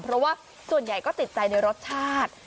เพราะว่าส่วนใหญ่ก็ติดใจในรสชาติ